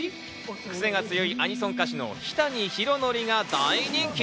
クセが強いアニソン歌手の日谷ヒロノリが大人気。